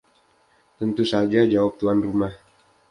‘Tentu saja,’ jawab tuan rumah.